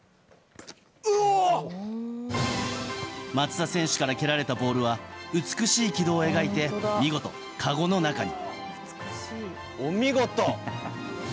松田選手から蹴られたボールは美しい軌道を描いて見事、かごの中に。